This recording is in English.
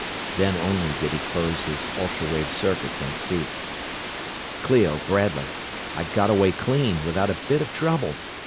Then only did he close his ultra wave circuits and speak. "Clio, Bradley I got away clean, without a bit of trouble.